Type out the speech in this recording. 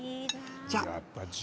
じゃあ。